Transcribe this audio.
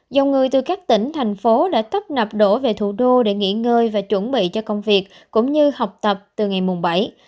dòng người từ các tỉnh thành phố đã tấp nập đổ về thủ đô để nghỉ ngơi và chuẩn bị cho công việc cũng như học tập từ ngày mùng bảy